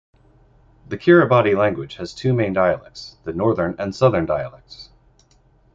The Kiribati language has two main dialects: the Northern and the Southern dialects.